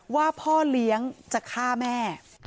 ว่าพ่อเลี้ยงจะฆ่าแม่